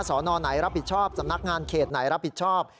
สอนอไหนรับผิดชอบสำนักงานเขตไหนรับผิดชอบ